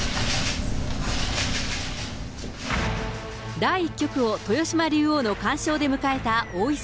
第１局を豊島竜王の完勝で迎えた王位戦